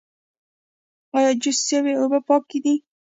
ایا جوش شوې اوبه پاکې دي؟